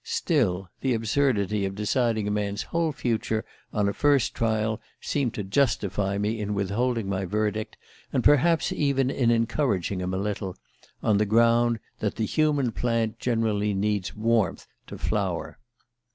Still, the absurdity of deciding a man's whole future on a first trial seemed to justify me in withholding my verdict, and perhaps even in encouraging him a little, on the ground that the human plant generally needs warmth to flower.